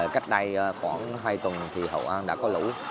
cách đây khoảng hai tuần thì hậu an đã có lũ